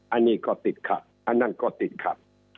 อันนี้ก็ติดขัดอันนั้นก็ติดขัด